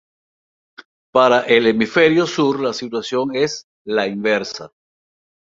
Para el hemisferio Sur la situación es la inversa.